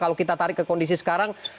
kalau kita tarik ke kondisi sekarang